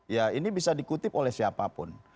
ya ini bisa dikutip oleh siapapun